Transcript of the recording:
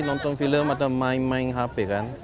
nonton film atau main main hp kan